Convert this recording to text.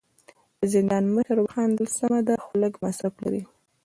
د زندان مشر وخندل: سمه ده، خو لږ مصرف لري.